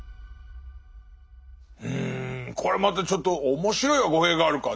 うんこれまたちょっと面白いは語弊があるか。